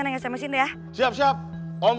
neng sms in deh ya siap siap om